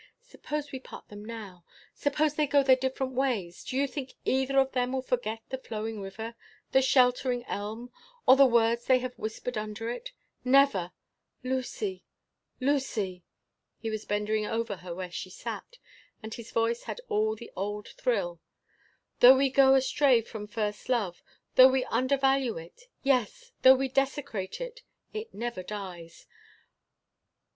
Suppose we part them now: suppose they go their different ways: do you think either of them will forget the flowing river, the sheltering elm, or the words they have whispered under it? Never!—Lucy, Lucy—" he was bending over her where she sat, and his voice had all the old thrill—"though we go astray from first love; though we undervalue it; yes! though we desecrate it, it never dies!